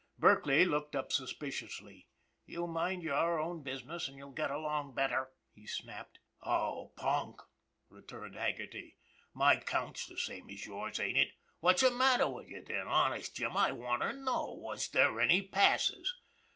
" Berkely looked up suspiciously. " You mind your own business, an' you'll get along better !" he snapped. " Oh, punk !" returned Haggerty. " My count's the same as your'n, ain't it? What's the matter with you, then? Honest, Jim, I wanter know. Was there any passes